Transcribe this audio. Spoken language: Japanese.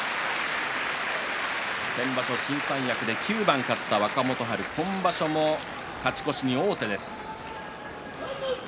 先場所、新三役で９番勝った若元春今場所も勝ち越しに王手です。